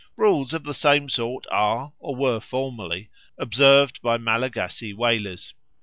Rules of the same sort are, or were formerly, observed by Malagasy whalers.